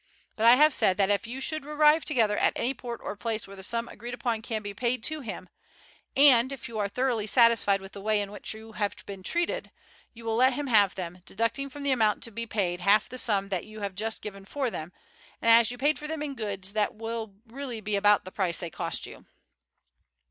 But I have said that if you should arrive together at any port or place where the sum agreed upon can be paid to him, and if you are thoroughly satisfied with the way in which you have been treated, you will let him have them, deducting from the amount to be paid half the sum that you have just given for them, and as you paid for them in goods that will really be about the price they cost you."